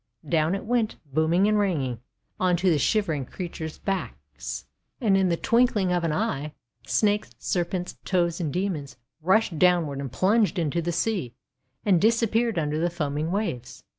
Down it went, booming and ringing, on to the shivering creatures' backs. And in the twinkling THE LAST OF THE SERPENTS 193 of an eye, Snakes, Serpents, Toads, and Demons rushed downward and plunged into the sea, and disappeared under the foaming waves.